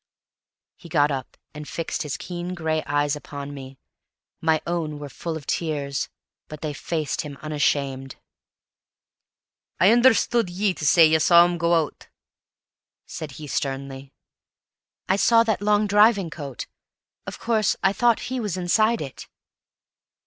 He got up and fixed his keen gray eyes upon me; my own were full of tears, but they faced him unashamed. "I understood ye to say ye saw him go out?" said he sternly. "I saw that long driving coat; of course, I thought he was inside it."